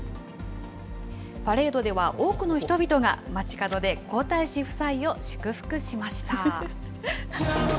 パレードでは多くの人々が街角で皇太子夫妻を祝福しました。